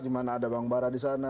dimana ada bang bara disana